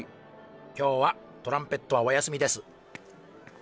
今日はトランペットはお休みです。